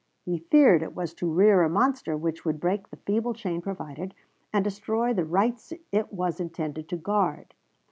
He feared it was to rear a monster which would break the feeble chain provided, and destroy the rights it was intended to guard.